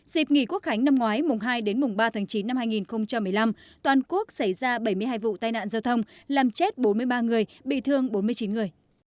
dịp nghỉ quốc khánh năm ngoái mùng hai đến mùng ba tháng chín năm hai nghìn một mươi năm toàn quốc xảy ra bảy mươi hai vụ tai nạn giao thông làm chết bốn mươi ba người bị thương bốn mươi chín người